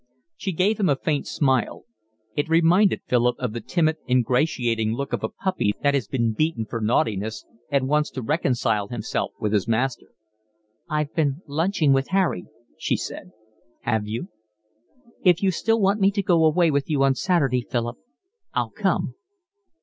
She gave him a faint smile. It reminded Philip of the timid, ingratiating look of a puppy that has been beaten for naughtiness and wants to reconcile himself with his master. "I've been lunching with Harry," she said. "Have you?" "If you still want me to go away with you on Saturday, Philip, I'll come."